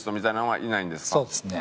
そうですね。